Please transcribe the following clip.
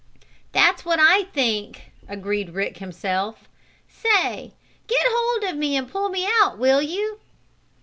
"That's what I think," agreed Rick himself. "Say, get hold of me and pull me out; will you?"